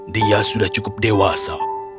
dia sudah cukup dewasa